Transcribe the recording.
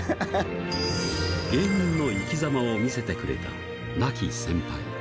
芸人の生きざまを見せてくれた亡き先輩。